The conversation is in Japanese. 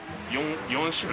４種類。